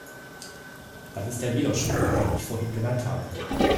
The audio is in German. Das ist der Widerspruch, den ich vorhin genannt habe.